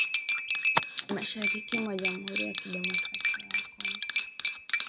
mashariki mwa jamhuri ya kidemokrasia ya Kongo